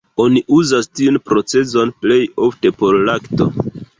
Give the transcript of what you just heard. Oni uzas tiun procezon plej ofte por lakto.